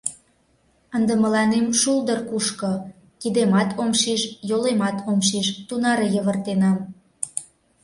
Ынде мыланем шулдыр кушко, кидемат ом шиж, йолемат ом шиж — тунаре йывыртенам!